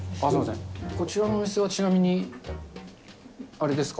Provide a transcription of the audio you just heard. こちらのお店はちなみに、あれですか？